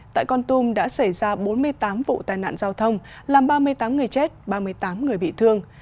tại con tum đã xảy ra bốn mươi tám vụ tai nạn giao thông làm ba mươi tám người chết ba mươi tám người bị thương